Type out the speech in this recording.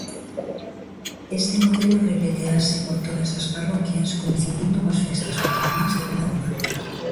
Este modelo repetirase por todas as parroquias, coincidindo coas festas patronais de cada unha.